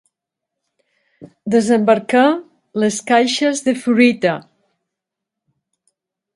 Desembarcar les caixes de fruita.